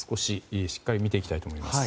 しっかり見ていきたいと思います。